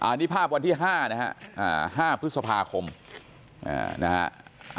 อันนี้ภาพวันที่๕นะฮะ๕พฤษภาคมนะฮะ